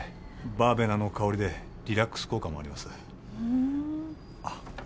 バーベナの香りでリラックス効果もありますふんあっ